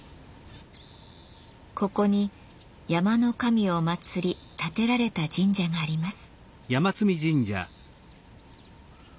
ここに山の神を祭り建てられた神社があります。